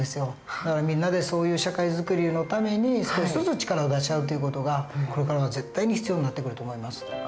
だからみんなでそういう社会作りのために少しずつ力を出し合うという事がこれからは絶対に必要になってくると思います。